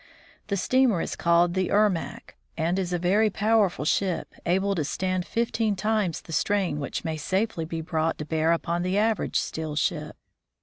The steamer is called the Ermack, and is a very powerful ship, able to stand fifteen times the strain which may safely be brought to bear upon the average steel ship.